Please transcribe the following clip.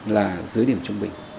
là dưới điểm trung tâm